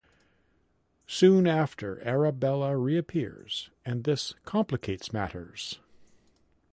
Soon after, Arabella reappears and this complicates matters.